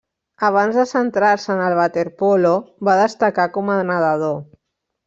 Abans de centrar-se en el waterpolo va destacar com a nedador.